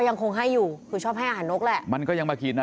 ยังคงให้อยู่คือชอบให้อาหารนกแหละมันก็ยังมากินนะ